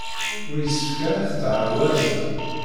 Ur yessefk ara ad tettɛawazem.